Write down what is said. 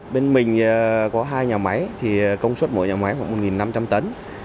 bên mình có hai nhà máy thì công suất mỗi nhà máy khoảng một năm trăm linh tấn